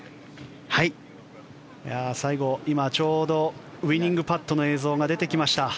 最後、今ちょうどウィニングパットの映像が出てきました。